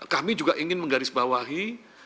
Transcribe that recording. kami juga ingin menggarisbawahi